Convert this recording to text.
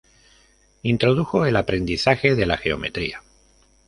Introdujo el aprendizaje de la geometría.